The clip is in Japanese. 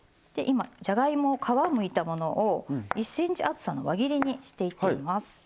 じゃがいもの皮をむいたものを１ｃｍ厚さの輪切りにしていきます。